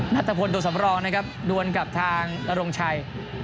นัทพลตัวสำรองนะครับดวนกับทางนรงชัย